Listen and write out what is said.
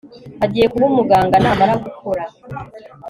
Agiye kuba umuganga namara gukura